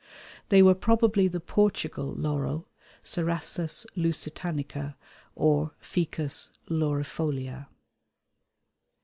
They were probably the Portugal Laurel (Cerasus lusitanica or Ficus laurifolia).